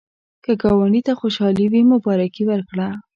که ګاونډي ته خوشالي وي، مبارکي ورکړه